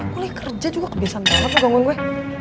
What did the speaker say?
boleh kerja juga kebiasaan banget lo gangguin gue